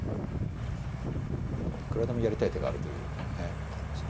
もういくらでもやりたい手があるというね感じで。